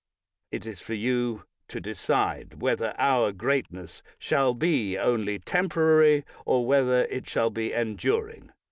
It is for you to decide whether our greatness shall be only temporary, or whether it shall be enduring.